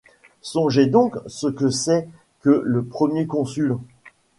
Songez donc ce que c'est que le Premier Consul.